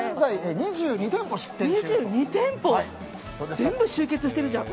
２２店舗全部集結してるじゃん。